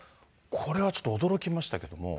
これはちょっと驚きましたけれども。